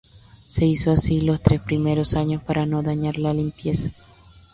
Se hizo así los tres primeros años para no dañar la limpieza.